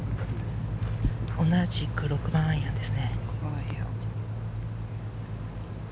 同じく６番アイアンです。